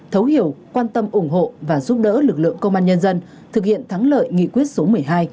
thấu hiểu quan tâm ủng hộ và giúp đỡ lực lượng công an nhân dân thực hiện thắng lợi nghị quyết số một mươi hai